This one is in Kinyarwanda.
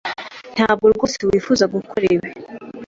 Ntabwo rwose wifuza gukora ibi.